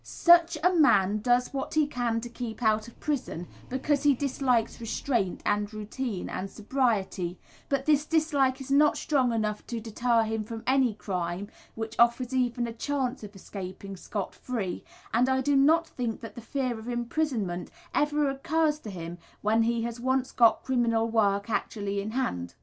Such a man does what he can to keep out of prison, because he dislikes restraint, and routine, and sobriety, but this dislike is not strong enough to deter him from any crime which offers even a chance of escaping scot free; and I do not think that the fear of imprisonment ever occurs to him when he has once got criminal work actually in hand.